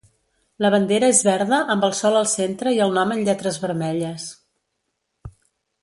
La bandera és verda amb el sol al centre i el nom en lletres vermelles.